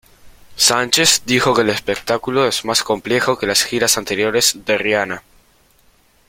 Sánchez dijo que el espectáculo es más complejo que las giras anteriores de Rihanna.